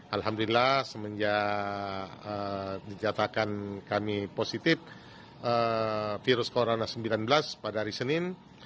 alhamdulillah semenjak dinyatakan kami positif virus corona sembilan belas pada hari senin